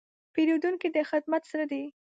پیرودونکی د خدمت زړه دی.